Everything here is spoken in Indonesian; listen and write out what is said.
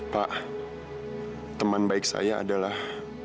pak teman baik saya adalah